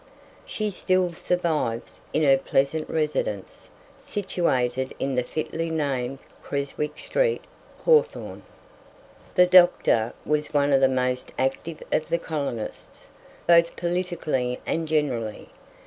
She still survives, in her pleasant residence, situated in the fitly named Creswick street, Hawthorn. The doctor was one of the most active of the colonists, both politically and generally.